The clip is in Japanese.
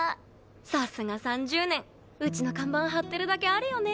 さすが３０年うちの看板張ってるだけあるよね！